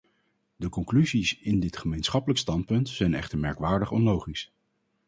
De conclusies in dit gemeenschappelijk standpunt zijn echter merkwaardig onlogisch.